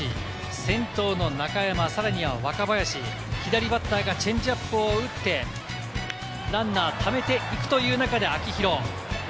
先頭の中山、さらには若林、左バッターがチェンジアップを打って、ランナーをためていくという中で、秋広。